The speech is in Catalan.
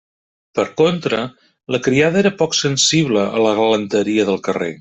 Per contra, la criada era poc sensible a la galanteria del carrer.